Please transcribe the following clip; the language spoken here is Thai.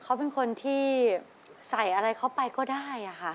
เขาเป็นคนที่ใส่อะไรเขาไปก็ได้ค่ะ